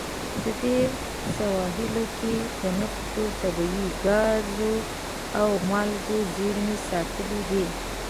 د دې سواحلو کې د نفتو، طبیعي ګازو او مالګو زیرمې ساتلې دي.